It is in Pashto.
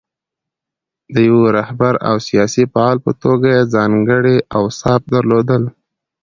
د یوه رهبر او سیاسي فعال په توګه یې ځانګړي اوصاف درلودل.